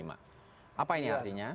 apa ini artinya